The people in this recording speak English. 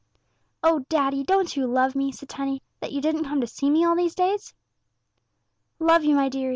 "Oh, daddy, don't you love me," said Tiny; "that you didn't come to see me all these days?" "Love you, my deary?